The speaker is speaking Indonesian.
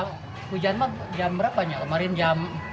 itu pun besar hujannya